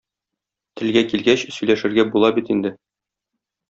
Телгә килгәч, сөйләшергә була бит инде.